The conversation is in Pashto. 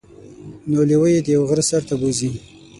نو لیوه يې د یوه غره سر ته بوځي.